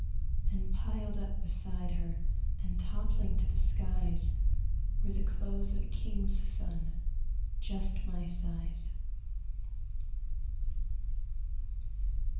And piled up beside her And toppling to the skies, Were the clothes of a king's son, Just my size.